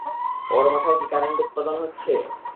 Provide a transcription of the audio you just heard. ওর মাথায় কী কারেন্ট উৎপাদন হচ্ছে?